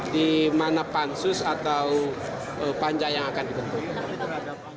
di mana pansus atau panja yang akan dibentuk